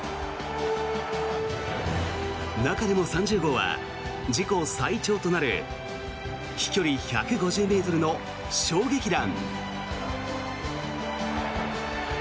中でも３０号は自己最長となる飛距離１５０ｍの衝撃弾。